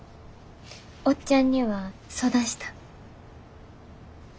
おっちゃんには相談したん？